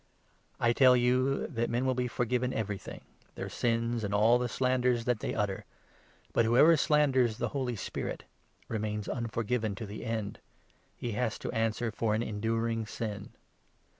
I tell you that 28 men will be forgiven everything — their sins, and all the slanders that they utter ; but whpever slanders the Holy Spirit remains 29 unforgiven to the end ; he has to answer for an enduring sin."